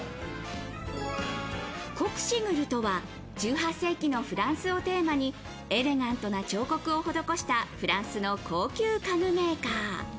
コクシグルとは１８世紀のフランスをテーマに、エレガントな彫刻を施したフランスの高級家具メーカー。